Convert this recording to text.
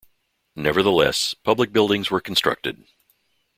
Nevertheless, public buildings were constructed.